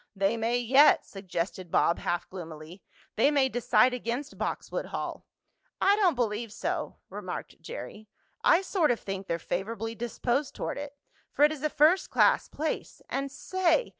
"They may yet," suggested Bob half gloomily. "They may decide against Boxwood Hall." "I don't believe so," remarked Jerry. "I sort of think they're favorably disposed toward it, for it is a first class place. And say!